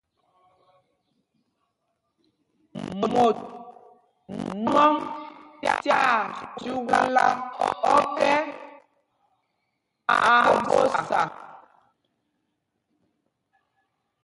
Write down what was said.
Mot nwɔŋ tyaa mícúkla ɔ́kɛ, aa ɓósa.